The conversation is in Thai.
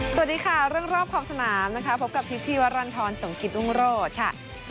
สวัสดีค่ะเรื่องรอบขอบสนามนะคะพบกับพิษชีวรรณฑรสมกิตรุงโรธค่ะ